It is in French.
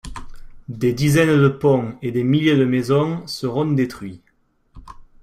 Des dizaines de ponts et des milliers de maisons seront détruits.